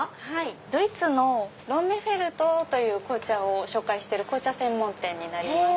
ドイツのロンネフェルトという紅茶を紹介してる紅茶専門店になります。